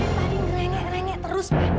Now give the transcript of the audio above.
dari tadi ngerengek rengek terus pak